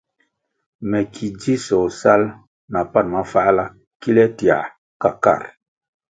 Me ki dzisoh sal na pan mafáhla kile tiãh ka kar.